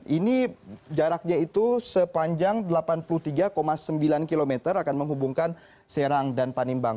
ini jaraknya itu sepanjang delapan puluh tiga sembilan km akan menghubungkan serang dan panimbang